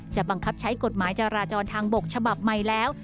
บังคับใช้กฎหมายจราจรทางบกฉบับใหม่แล้ว